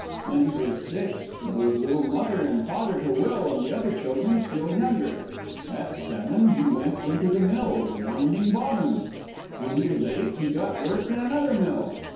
When he was six, he was little mother and father to Will and the other children still younger. At seven he went into the mills winding bobbins. When he was eight, he got work in another mill.